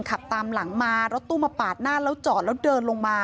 ขับตามหลังมารถตู้มาปาดหน้าแล้วจอดแล้วเดินลงมา